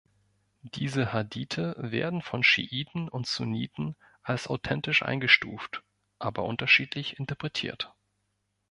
Diese Hadithe werden von Schiiten und Sunniten als authentisch eingestuft, aber unterschiedlich interpretiert.